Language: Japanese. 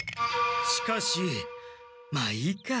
しかしまあいいか。